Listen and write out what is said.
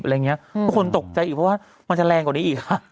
อะไรอย่างเงี้ยอืมคนตกใจอีกเพราะว่ามันจะแรงกว่านี้อีกค่ะ